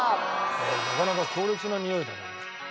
なかなか強烈なにおいだね。